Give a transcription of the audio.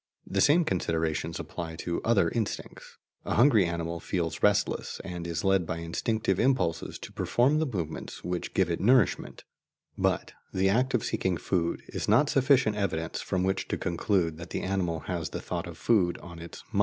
The same considerations apply to other instincts. A hungry animal feels restless, and is led by instinctive impulses to perform the movements which give it nourishment; but the act of seeking food is not sufficient evidence from which to conclude that the animal has the thought of food in its "mind."